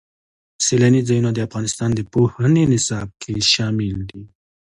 سیلانی ځایونه د افغانستان د پوهنې نصاب کې شامل دي.